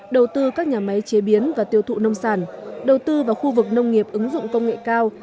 đầu tư các nhà máy chế biến và tiêu thụ nông sản đầu tư vào khu vực nông nghiệp ứng dụng công nghệ cao